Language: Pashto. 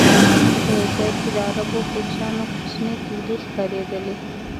په یو ځای کې د عربو کوچیانو کوچنۍ کېږدی ښکارېدلې.